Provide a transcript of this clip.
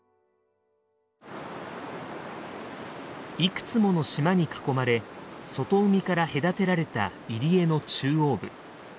いくつもの島に囲まれ外海から隔てられた入り江の中央部。